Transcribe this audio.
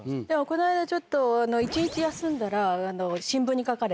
この間ちょっと一日休んだら新聞に書かれて。